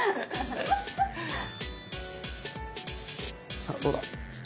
さあどうだ？